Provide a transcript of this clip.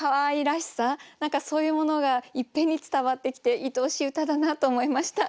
何かそういうものがいっぺんに伝わってきていとおしい歌だなと思いました。